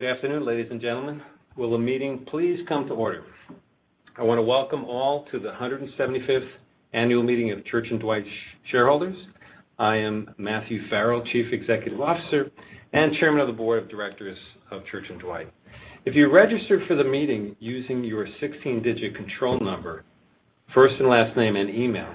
Good afternoon, ladies and gentlemen. Will the meeting please come to order? I want to welcome all to the 175th annual meeting of Church & Dwight shareholders. I am Matthew Farrell, Chief Executive Officer and Chairman of the Board of Directors of Church & Dwight. If you registered for the meeting using your 16-digit control number, first and last name, and email,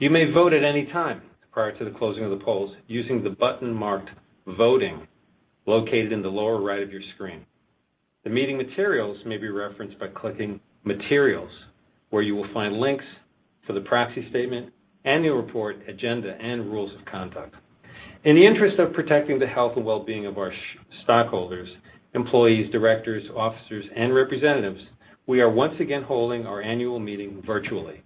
you may vote at any time prior to the closing of the polls using the button marked "Voting," located in the lower right of your screen. The meeting materials may be referenced by clicking "Materials," where you will find links for the proxy statement, annual report, agenda, and rules of conduct. In the interest of protecting the health and well-being of our stockholders, employees, directors, officers, and representatives, we are once again holding our annual meeting virtually.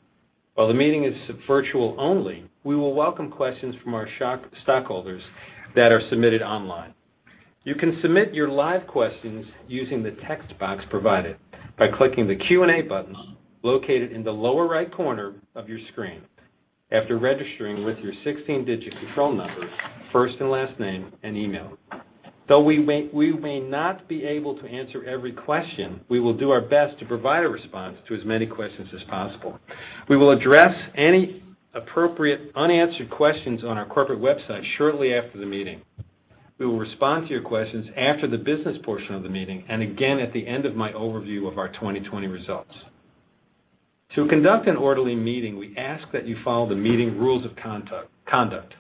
While the meeting is virtual only, we will welcome questions from our stockholders that are submitted online. You can submit your live questions using the text box provided by clicking the Q&A button located in the lower right corner of your screen after registering with your 16-digit control numbers, first and last name, and email. Though we may not be able to answer every question, we will do our best to provide a response to as many questions as possible. We will address any appropriate unanswered questions on our corporate website shortly after the meeting. We will respond to your questions after the business portion of the meeting, and again at the end of my overview of our 2020 results. To conduct an orderly meeting, we ask that you follow the meeting rules of conduct.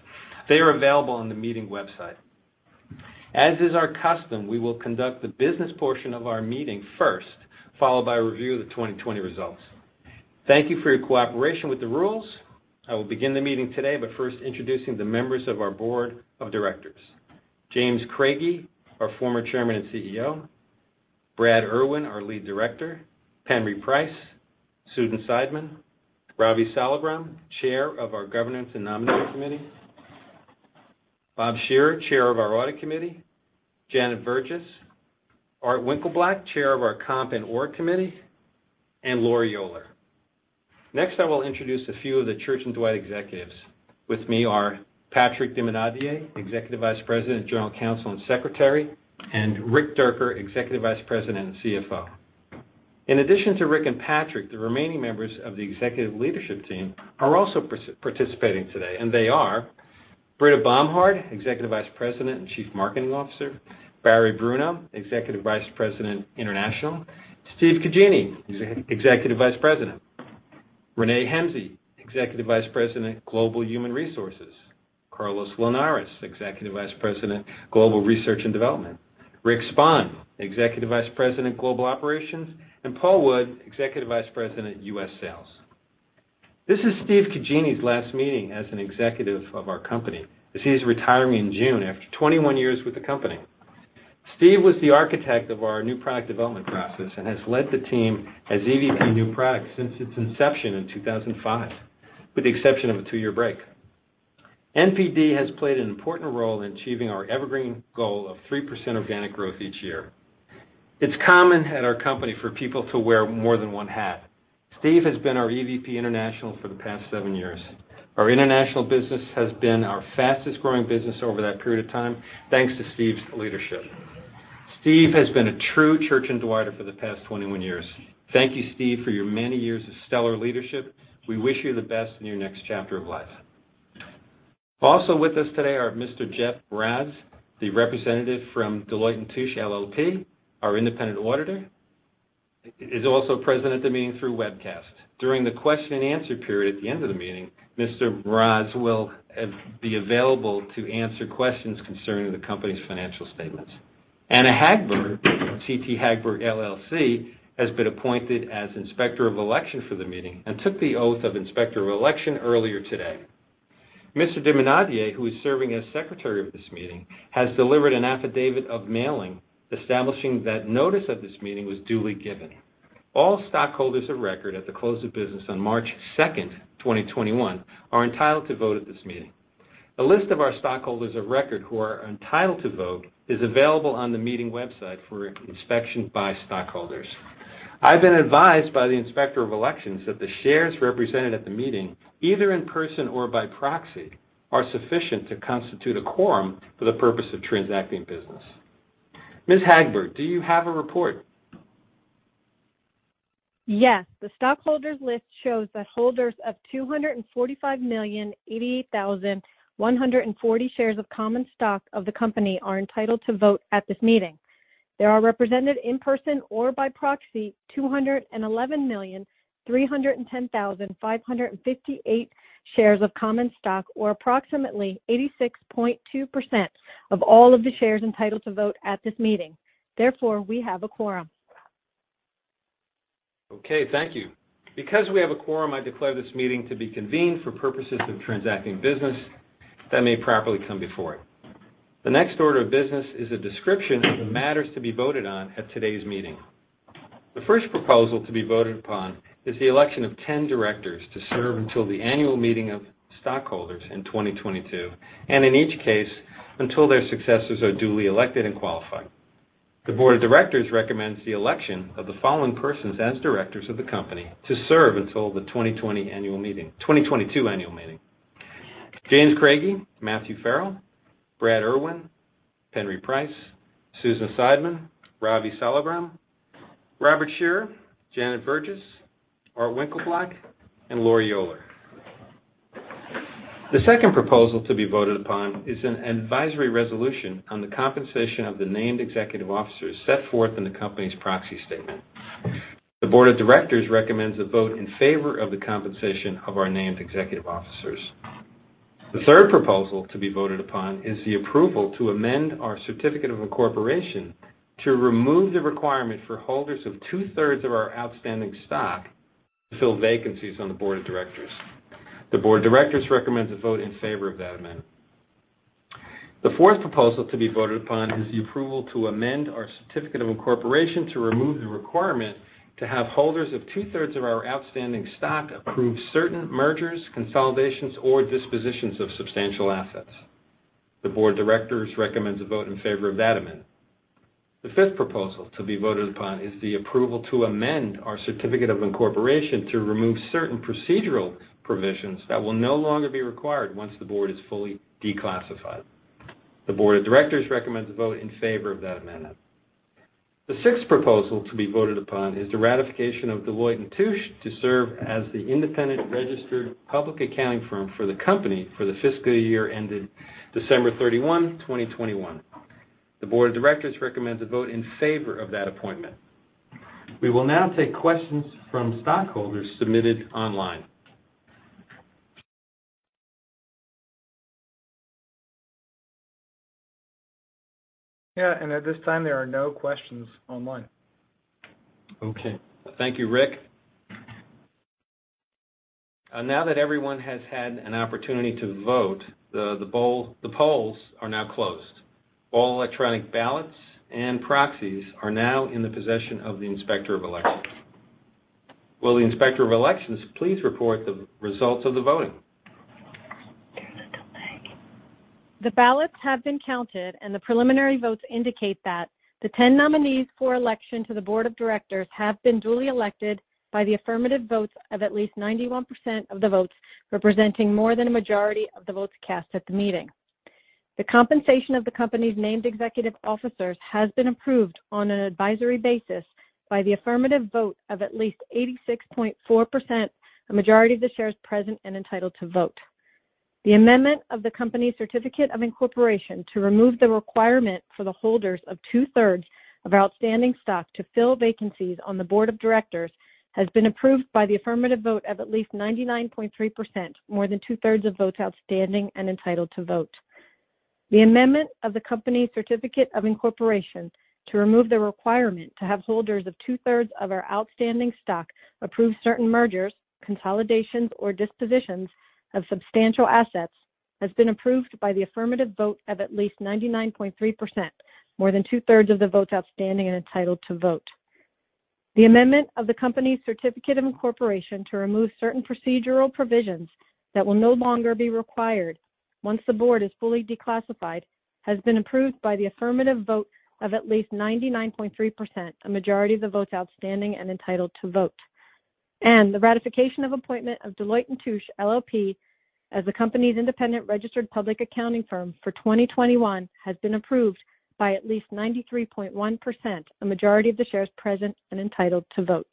They are available on the meeting website. As is our custom, we will conduct the business portion of our meeting first, followed by a review of the 2020 results. Thank you for your cooperation with the rules. I will begin the meeting today by first introducing the members of our Board of Directors. James Craigie, our Former Chairman and CEO, Brad Irwin, our Lead Director, Penry Price, Susan Saideman, Ravi Saligram, Chair of our Governance and Nominating Committee, Bob Shearer, Chair of our Audit Committee, Janet Vergis, Art Winkleblack, Chair of our Comp and Org Committee, and Laurie Yoler. Next, I will introduce a few of the Church & Dwight executives. With me are Patrick de Maynadier, Executive Vice President, General Counsel, and Secretary, and Rick Dierker, Executive Vice President and CFO. In addition to Rick and Patrick, the remaining members of the executive leadership team are also participating today, and they are Britta Bomhard, Executive Vice President and Chief Marketing Officer, Barry Bruno, Executive Vice President, International, Steve Cugine, Executive Vice President, René Hemsey, Executive Vice President, Global Human Resources, Carlos Linares, Executive Vice President, Global Research and Development, Rick Spann, Executive Vice President, Global Operations, and Paul Wood, Executive Vice President, U.S. Sales. This is Steve Cugine's last meeting as an executive of our company, as he is retiring in June after 21 years with the company. Steve was the architect of our new product development process and has led the team as EVP New Products since its inception in 2005, with the exception of a two-year break. NPD has played an important role in achieving our evergreen goal of 3% organic growth each year. It's common at our company for people to wear more than one hat. Steve has been our EVP International for the past seven years. Our international business has been our fastest-growing business over that period of time thanks to Steve's leadership. Steve has been a true Church & Dwighter for the past 21 years. Thank you, Steve, for your many years of stellar leadership. We wish you the best in your next chapter of life. Also with us today are Mr. Jeff Mraz, the representative from Deloitte & Touche LLP, our independent auditor. He's also present at the meeting through webcast. During the question and answer period at the end of the meeting, Mr. Mraz will be available to answer questions concerning the company's financial statements. Anna Hagberg of CT Hagberg LLC has been appointed as Inspector of Election for the meeting and took the oath of Inspector of Election earlier today. Mr. de Maynadier, who is serving as secretary of this meeting, has delivered an affidavit of mailing establishing that notice of this meeting was duly given. All stockholders of record at the close of business on March 2nd, 2021, are entitled to vote at this meeting. A list of our stockholders of record who are entitled to vote is available on the meeting website for inspection by stockholders. I've been advised by the Inspector of Election that the shares represented at the meeting, either in person or by proxy, are sufficient to constitute a quorum for the purpose of transacting business. Ms. Hagberg, do you have a report? Yes. The stockholders' list shows that holders of 245,088,140 shares of common stock of the company are entitled to vote at this meeting. There are represented in person or by proxy 211,310,558 shares of common stock, or approximately 86.2% of all of the shares entitled to vote at this meeting. Therefore, we have a quorum. Okay. Thank you. Because we have a quorum, I declare this meeting to be convened for purposes of transacting business that may properly come before it. The next order of business is a description of the matters to be voted on at today's meeting. The first proposal to be voted upon is the election of 10 directors to serve until the annual meeting of stockholders in 2022, and in each case, until their successors are duly elected and qualified. The board of directors recommends the election of the following persons as directors of the company to serve until the 2022 annual meeting: James Craigie, Matthew Farrell, Brad Irwin, Penry Price, Susan Saideman, Ravi Saligram, Robert Shearer, Janet Vergis, Art Winkleblack, and Lori Uhler. The second proposal to be voted upon is an advisory resolution on the compensation of the named executive officers set forth in the company's proxy statement. The board of directors recommends a vote in favor of the compensation of our named executive officers. The third proposal to be voted upon is the approval to amend our certificate of incorporation to remove the requirement for holders of 2/3 of our outstanding stock to fill vacancies on the board of directors. The board of directors recommends a vote in favor of that amendment. The fourth proposal to be voted upon is the approval to amend our certificate of incorporation to remove the requirement to have holders of 2/3 of our outstanding stock approve certain mergers, consolidations, or dispositions of substantial assets. The board of directors recommends a vote in favor of that amendment. The fifth proposal to be voted upon is the approval to amend our certificate of incorporation to remove certain procedural provisions that will no longer be required once the board is fully declassified. The Board of Directors recommends a vote in favor of that amendment. The sixth proposal to be voted upon is the ratification of Deloitte & Touche to serve as the independent registered public accounting firm for the company for the fiscal year ending December 31, 2021. The Board of Directors recommends a vote in favor of that appointment. We will now take questions from stockholders submitted online. Yeah, at this time, there are no questions online. Okay. Thank you, Rick. Now that everyone has had an opportunity to vote, the polls are now closed. All electronic ballots and proxies are now in the possession of the Inspector of Elections. Will the Inspector of Elections please report the results of the voting? The ballots have been counted, and the preliminary votes indicate that the 10 nominees for election to the board of directors have been duly elected by the affirmative votes of at least 91% of the votes, representing more than a majority of the votes cast at the meeting. The compensation of the company's named executive officers has been approved on an advisory basis by the affirmative vote of at least 86.4%, a majority of the shares present and entitled to vote. The amendment of the company's certificate of incorporation to remove the requirement for the holders of 2/3 of outstanding stock to fill vacancies on the board of directors has been approved by the affirmative vote of at least 99.3%, more than 2/3 of votes outstanding and entitled to vote. The amendment of the company's certificate of incorporation to remove the requirement to have holders of 2/3 of our outstanding stock approve certain mergers, consolidations, or dispositions of substantial assets has been approved by the affirmative vote of at least 99.3%, more than 2/3 of the votes outstanding and entitled to vote. The amendment of the company's certificate of incorporation to remove certain procedural provisions that will no longer be required once the board is fully declassified has been approved by the affirmative vote of at least 99.3%, a majority of the votes outstanding and entitled to vote. The ratification of appointment of Deloitte & Touche LLP as the company's independent registered public accounting firm for 2021 has been approved by at least 93.1%, a majority of the shares present and entitled to vote.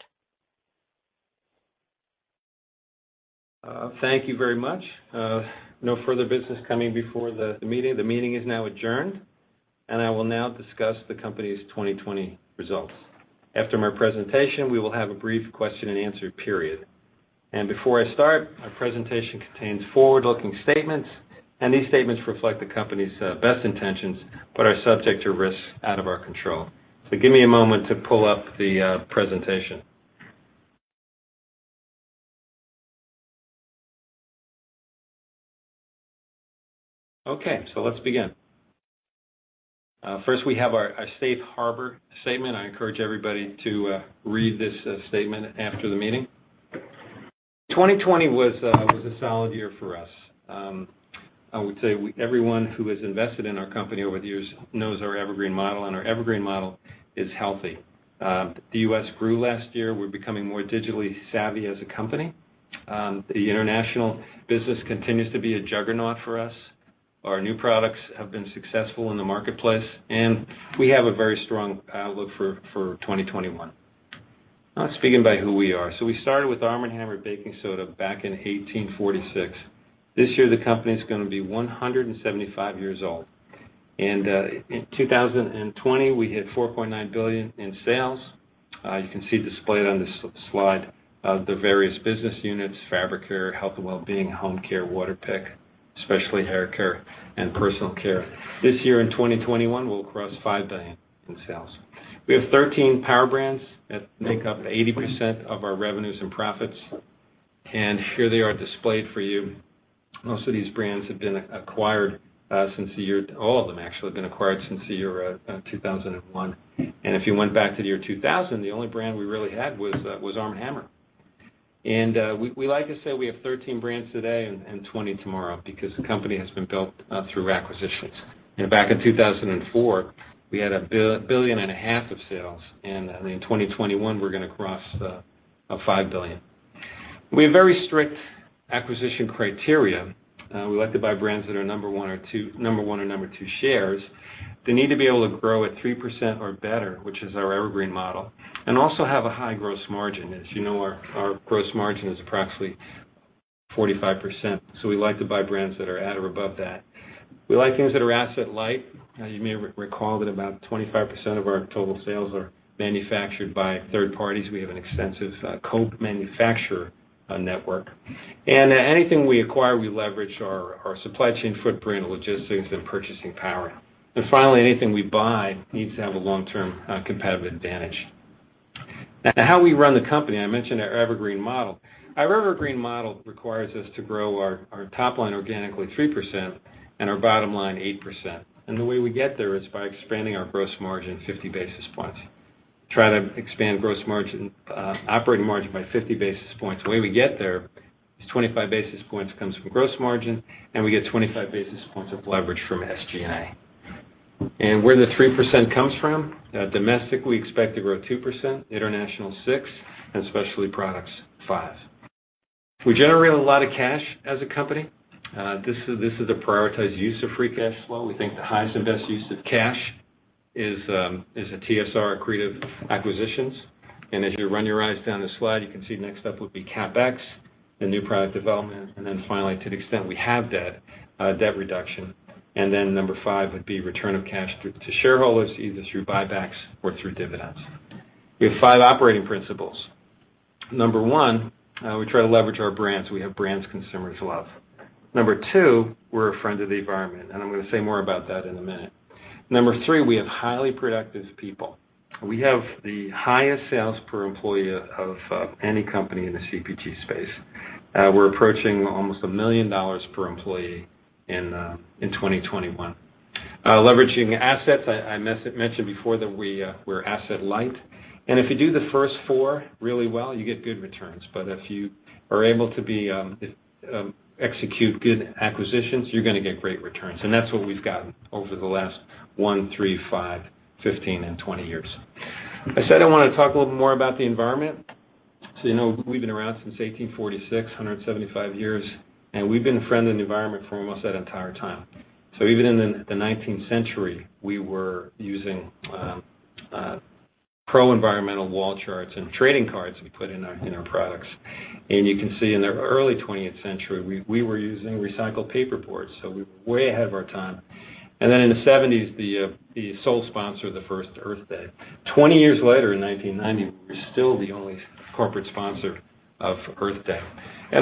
Thank you very much. No further business coming before the meeting. The meeting is now adjourned. I will now discuss the company's 2020 results. After my presentation, we will have a brief question and answer period. Before I start, my presentation contains forward-looking statements. These statements reflect the company's best intentions, but are subject to risks out of our control. Give me a moment to pull up the presentation. Okay, let's begin. First, we have our safe harbor statement. I encourage everybody to read this statement after the meeting. 2020 was a solid year for us. I would say everyone who has invested in our company over the years knows our evergreen model. Our evergreen model is healthy. The U.S. grew last year. We're becoming more digitally savvy as a company. The international business continues to be a juggernaut for us. Our new products have been successful in the marketplace, and we have a very strong outlook for 2021. Speaking about who we are. We started with ARM & HAMMER Baking Soda back in 1846. This year, the company's going to be 175 years old. In 2020, we hit $4.9 billion in sales. You can see displayed on this slide the various business units, Fabric Care, Health & Well-Being, Home Care, Waterpik, Specialty Hair Care, and Personal Care. This year in 2021, we'll cross $5 billion in sales. We have 13 power brands that make up 80% of our revenues and profits, and here they are displayed for you. All of them actually have been acquired since the year 2001. If you went back to the year 2000, the only brand we really had was ARM & HAMMER. We like to say we have 13 brands today and 20 tomorrow because the company has been built through acquisitions. Back in 2004, we had $1.5 billion of sales, and in 2021, we're going to cross $5 billion. We have very strict acquisition criteria. We like to buy brands that are number one or number two shares. They need to be able to grow at 3% or better, which is our evergreen model, and also have a high gross margin. As you know, our gross margin is approximately 45%, so we like to buy brands that are at or above that. We like things that are asset light. Now, you may recall that about 25% of our total sales are manufactured by third parties. We have an extensive co-manufacturer network. Anything we acquire, we leverage our supply chain footprint, logistics, and purchasing power. Finally, anything we buy needs to have a long-term competitive advantage. Now to how we run the company. I mentioned our evergreen model. Our evergreen model requires us to grow our top line organically 3% and our bottom line 8%. The way we get there is by expanding our gross margin 50 basis points. Try to expand operating margin by 50 basis points. The way we get there is 25 basis points comes from gross margin, and we get 25 basis points of leverage from SG&A. Where the 3% comes from, domestic, we expect to grow 2%, international 6%, and Specialty Products 5%. We generate a lot of cash as a company. This is the prioritized use of free cash flow. We think the highest and best use of cash is the TSR accretive acquisitions. As you run your eyes down the slide, you can see next up would be CapEx, then new product development, and then finally, to the extent we have debt reduction. Number five would be return of cash to shareholders, either through buybacks or through dividends. We have five operating principles. Number one, we try to leverage our brands. We have brands consumers love. Number two, we're a friend of the environment, and I'm going to say more about that in a minute. Number three, we have highly productive people. We have the highest sales per employee of any company in the CPG space. We're approaching almost $1 million per employee in 2021. Leveraging assets, I mentioned before that we're asset light. If you do the first four really well, you get good returns. If you are able to execute good acquisitions, you're going to get great returns. That's what we've gotten over the last one, three, five, 15, and 20 years. I said I wanted to talk a little more about the environment. You know, we've been around since 1846, 175 years, and we've been friend of the environment for almost that entire time. Even in the 19th century, we were using pro-environmental wall charts and trading cards we put in our products. You can see in the early 20th century, we were using recycled paper boards, so we were way ahead of our time. In the 1970s, the sole sponsor of the first Earth Day. 20 years later, in 1990, we were still the only corporate sponsor of Earth Day.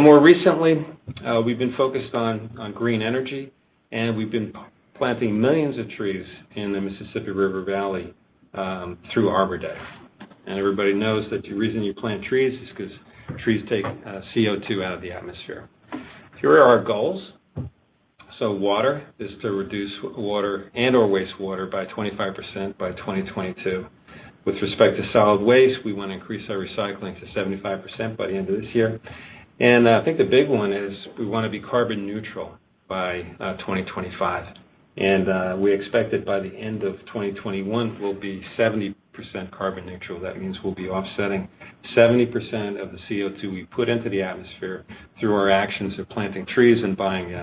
More recently, we've been focused on green energy, and we've been planting millions of trees in the Mississippi River Valley through Arbor Day. Everybody knows that the reason you plant trees is because trees take CO2 out of the atmosphere. Here are our goals. Water is to reduce water and/or wastewater by 25% by 2022. With respect to solid waste, we want to increase our recycling to 75% by the end of this year. I think the big one is we want to be carbon neutral by 2025. We expect that by the end of 2021, we'll be 70% carbon neutral. That means we'll be offsetting 70% of the CO2 we put into the atmosphere through our actions of planting trees and buying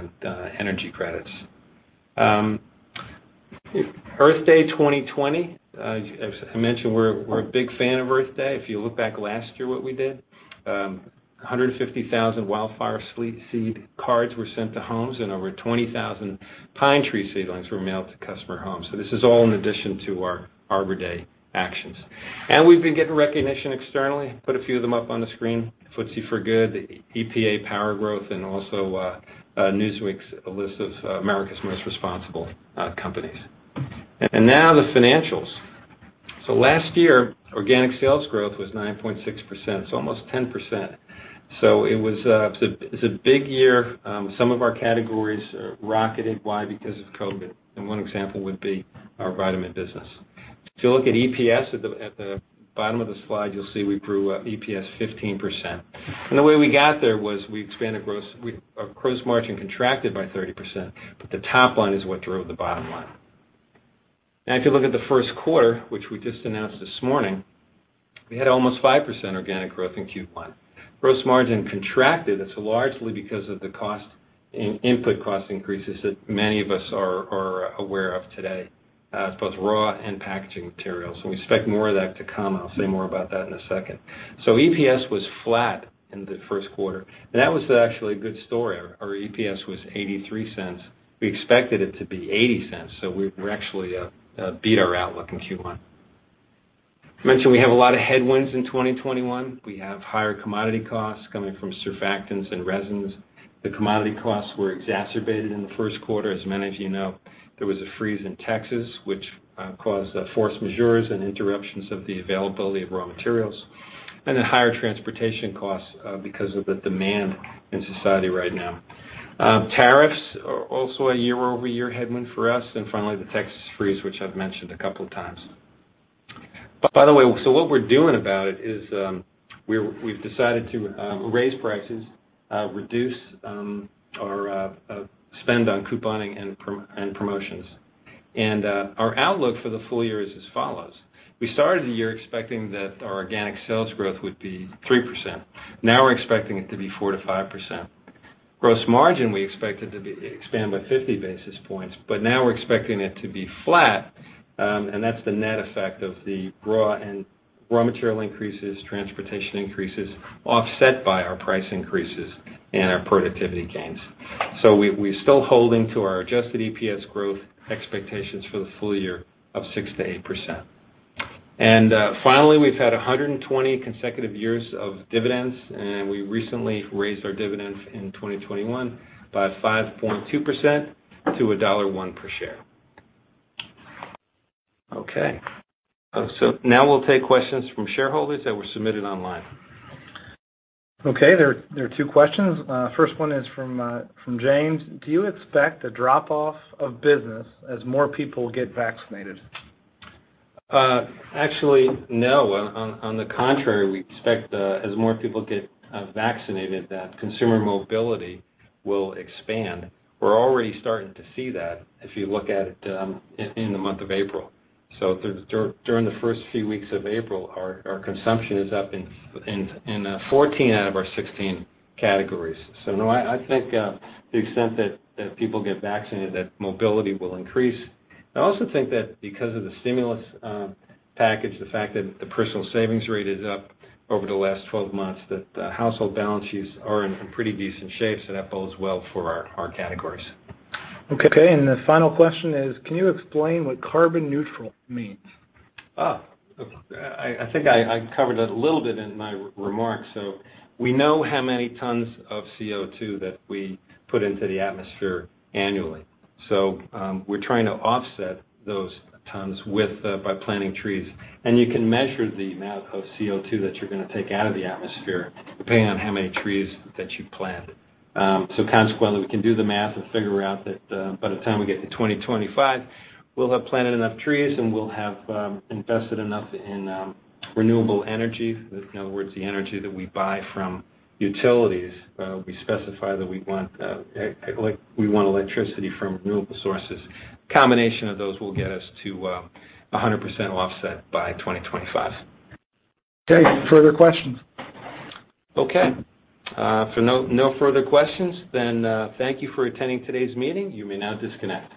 energy credits. Earth Day 2020. As I mentioned, we're a big fan of Earth Day. If you look back last year, what we did, 150,000 wildfire seed cards were sent to homes and over 20,000 pine tree seedlings were mailed to customer homes. This is all in addition to our Arbor Day actions. We've been getting recognition externally. Put a few of them up on the screen, FTSE4Good, EPA Green Power Partnership, and also Newsweek's list of America's Most Responsible Companies. Now the financials. Last year, organic sales growth was 9.6%, almost 10%. It was a big year. Some of our categories rocketed. Why? Because of COVID. One example would be our vitamin business. If you look at EPS at the bottom of the slide, you'll see we grew EPS 15%. The way we got there was our gross margin contracted by 30%, but the top line is what drove the bottom line. If you look at the first quarter, which we just announced this morning, we had almost 5% organic growth in Q1. Gross margin contracted. It's largely because of the input cost increases that many of us are aware of today, both raw and packaging materials. We expect more of that to come. I'll say more about that in a second. EPS was flat in the first quarter, and that was actually a good story. Our EPS was $0.83. We expected it to be $0.80, we actually beat our outlook in Q1. I mentioned we have a lot of headwinds in 2021. We have higher commodity costs coming from surfactants and resins. The commodity costs were exacerbated in the first quarter. As many of you know, there was a freeze in Texas, which caused force majeure and interruptions of the availability of raw materials, and then higher transportation costs because of the demand in society right now. Tariffs are also a year-over-year headwind for us. Finally, the Texas freeze, which I've mentioned a couple of times. By the way, what we're doing about it is, we've decided to raise prices, reduce our spend on couponing and promotions. Our outlook for the full year is as follows. We started the year expecting that our organic sales growth would be 3%. Now we're expecting it to be 4%-5%. Gross margin, we expected to expand by 50 basis points, but now we're expecting it to be flat, and that's the net effect of the raw material increases, transportation increases, offset by our price increases and our productivity gains. We're still holding to our adjusted EPS growth expectations for the full year of 6%-8%. Finally, we've had 120 consecutive years of dividends, and we recently raised our dividends in 2021 by 5.2% to $1.01 per share. Okay, now we'll take questions from shareholders that were submitted online. Okay, there are two questions. First one is from James. Do you expect a drop-off of business as more people get vaccinated? Actually, no. On the contrary, we expect as more people get vaccinated, that consumer mobility will expand. We're already starting to see that if you look at it in the month of April. During the first few weeks of April, our consumption is up in 14 out of our 16 categories. No, I think to the extent that if people get vaccinated, that mobility will increase. I also think that because of the stimulus package, the fact that the personal savings rate is up over the last 12 months, that the household balance sheets are in pretty decent shape, so that bodes well for our categories. Okay, the final question is, can you explain what carbon neutral means? Oh. I think I covered a little bit in my remarks. We know how many tons of CO2 that we put into the atmosphere annually. We're trying to offset those tons by planting trees. You can measure the amount of CO2 that you're going to take out of the atmosphere depending on how many trees that you plant. Consequently, we can do the math and figure out that by the time we get to 2025, we'll have planted enough trees, and we'll have invested enough in renewable energy. In other words, the energy that we buy from utilities, we specify that we want electricity from renewable sources. Combination of those will get us to 100% offset by 2025. Okay, further questions? If no further questions, thank you for attending today's meeting. You may now disconnect.